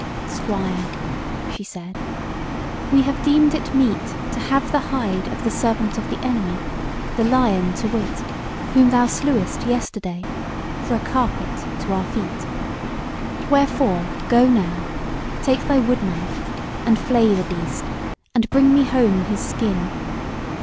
"Squire," she said, "we have deemed it meet to have the hide of the servant of the Enemy, the lion to wit, whom thou slewest yesterday, for a carpet to our feet; wherefore go now, take thy wood knife, and flay the beast, and bring me home his skin.